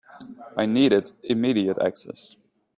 I needed immediate access.